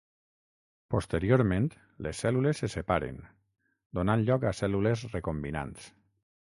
Posteriorment, les cèl·lules se separen, donant lloc a cèl·lules recombinants.